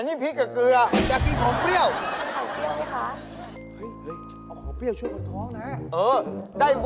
นี่คนถ้องนะ